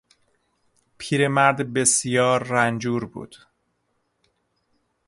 پیرمرد بسیار رنجور بود.